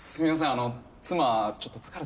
あの妻はちょっと疲れてて。